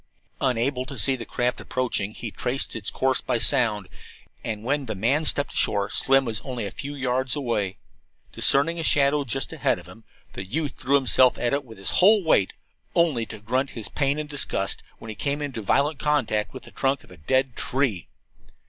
Unable to see the craft approaching, he traced its course by sound, and when the man stepped ashore Slim was only a few yards away. Discerning a shadow just ahead of him, the youth threw himself at it with his whole weight, only to grunt his pain and disgust as he came into violent contact with the trunk of a dead tree.